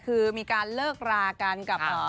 คือมีการเลิกรากันกับ